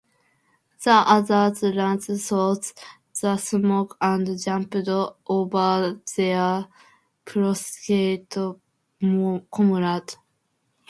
The others ran through the smoke and jumped over their prostrate comrade.